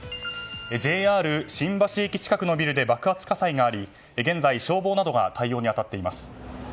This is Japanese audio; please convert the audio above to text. ＪＲ新橋駅近くのビルで爆発火災があり現在、消防などが対応に当たっています。